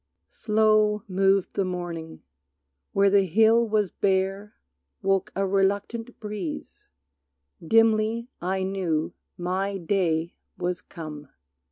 Slow moved the morning; where the hill was bare Woke a reluctant breeze. Dimly I knew My Day was come.